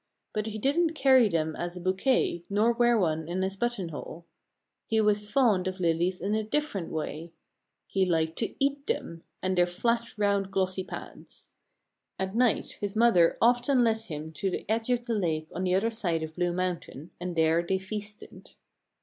But he didn't carry them as a bouquet, nor wear one in his buttonhole. He was fond of lilies in a different way: he liked to eat them, and their flat, round, glossy pads. At night his mother often led him to the edge of the lake on the other side of Blue Mountain and there they feasted.